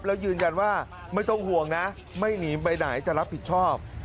แล้วยืนยันว่าไม่ต้องห่วงนะไม่หนีไปไหนจะรับผิดชอบ